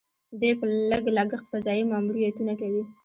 دوی په لږ لګښت فضايي ماموریتونه کوي.